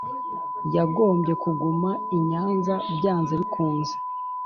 yagombye kuguma i Nyanza, byanze bikunze.